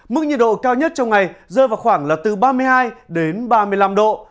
mức nhiệt độ cao nhất trong ngày rơi vào khoảng là từ ba mươi hai đến ba mươi năm độ